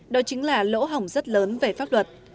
đó chính là lỗ hỏng rất lớn về pháp luật